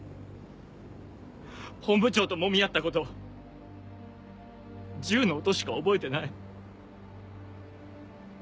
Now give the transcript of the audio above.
本部長ともみ合ったこと銃の音しか覚えてない。